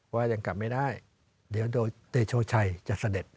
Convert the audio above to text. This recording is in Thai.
ว่ายังกลับไม่ได้เดี๋ยวโดยเตโชชัยจะเสด็จ